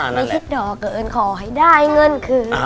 ไม่คิดดอกเกินขอให้ได้เงินคืน